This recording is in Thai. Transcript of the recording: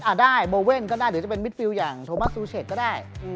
อ่ะได้โบเว่นก็ได้หรือจะเป็นมิดฟิล์ดอย่างโทมัสซูเชศก็ได้